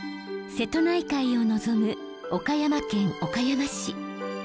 瀬戸内海を望む岡山県岡山市。